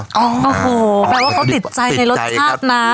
โอ้โหแปลว่าเขาติดใจในรสชาตินะ